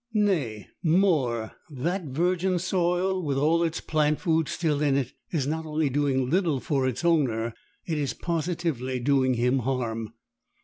Nay, more, that virgin soil, with all its plant food still in it, is not only doing little for its owner, it is positively doing him harm.